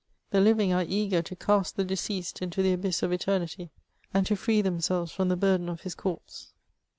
The living are eager to cast the deceased into the abyss of etemibr, and to free themselveB from the burden of his corpse.